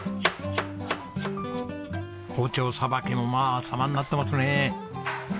包丁さばきもまあ様になってますね。